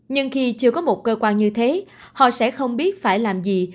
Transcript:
nhưng khi chưa có một cơ quan như thế họ sẽ không biết phải làm gì